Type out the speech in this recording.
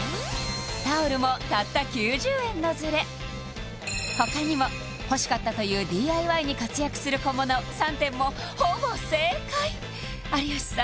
タオルもたった９０円のズレ他にも欲しかったというＤＩＹに活躍する小物３点もほぼ正解有吉さん